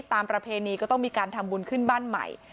ประเพณีก็ต้องมีการทำบุญขึ้นบ้านใหม่